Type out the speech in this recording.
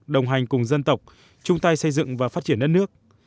đồng hành cùng dân tộc chung tay xây dựng và phát triển đất nước